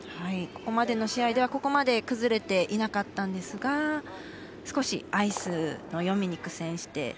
ここまでの試合ではここまで崩れてなかったんですが少しアイスの読みに苦戦して。